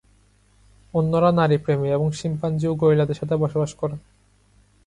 অন্যেরা নারী প্রেমী এবং শিম্পাঞ্জি ও গরিলাদের সাথে বসবাস করে।